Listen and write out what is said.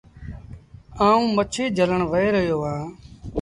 آئوٚنٚ مڇيٚ جھلڻ وهي رهيو اهآنٚ۔